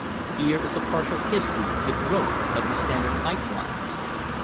Here is a partial history of the growth of the Standard pipe lines.